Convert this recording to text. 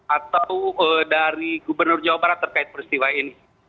atau dari gubernur jawa barat terkait peristiwa ini